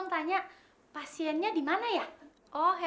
mas kevin makasih ya